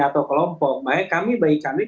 atau kelompok maka kami baik baik